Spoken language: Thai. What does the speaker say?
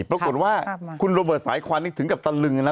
ปรากฏว่าคุณโรเบิร์ตสายควันถึงกับตะลึงนะ